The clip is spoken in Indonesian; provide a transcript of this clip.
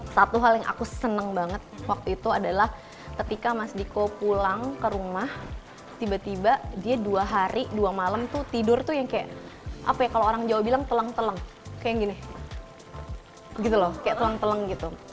satu hal yang aku seneng banget waktu itu adalah ketika mas diko pulang ke rumah tiba tiba dia dua hari dua malam tuh tidur tuh yang kayak apa ya kalau orang jawa bilang teleng teleng kayak gini gitu loh kayak tulang teleng gitu